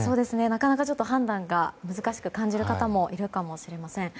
なかなか判断が難しく感じる方もいるかもしれません。